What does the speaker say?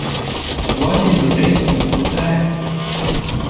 Why is your basement so packed?